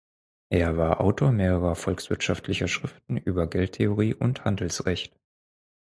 Er war Autor mehrerer volkswirtschaftlicher Schriften über Geldtheorie und Handelsrecht.